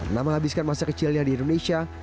sejak masa kecilnya di indonesia